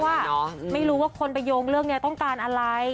ใช่เนอะอืมไม่รู้ว่าคนไปโยงเรื่องเนี้ยต้องการอะไร